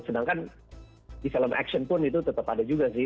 sedangkan di film action pun itu tetap ada juga sih